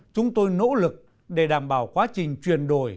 chúng tôi nỗ lực để đảm bảo quá trình chuyển đổi